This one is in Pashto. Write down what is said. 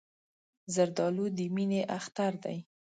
زردالو د مینې اختر دی.